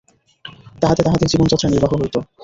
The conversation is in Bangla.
তাহাতে তাঁহাদের জীবনযাত্রা নির্বাহ হইত।